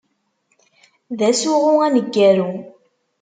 D asuɣu aneggaru.